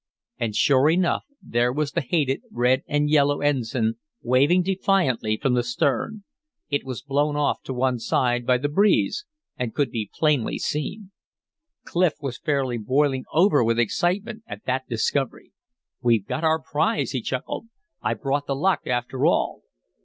And sure enough there was the hated red and yellow ensign waving defiantly from the stern; it was blown off to one side by the breeze, and could be plainly seen. Clif was fairly boiling over with excitement at that discovery. "We've got our prize!" he chuckled. "I brought the luck after all."